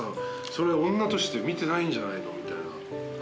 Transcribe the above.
それ女として見てないんじゃないの？みたいな。